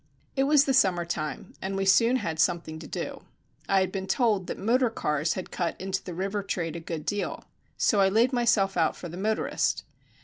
It was the summer time and we soon had something to do. I had been told that motor cars had cut into the river trade a good deal; so I laid myself out for the motorist.